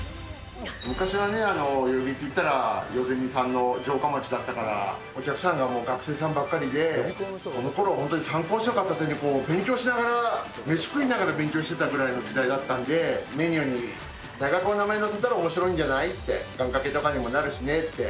昔はね、代々木っていったら代ゼミさんの城下町だったから、お客さんも学生さんばっかりで、あの頃、参考書片手に勉強しながら、飯食いながら勉強してたぐらいの時代だったんで、メニューに大学の名前を載せたらおもしろいんじゃないって、願かけとかにもなるしねって。